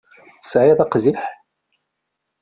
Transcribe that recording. Tesɛiḍ aqziḥ?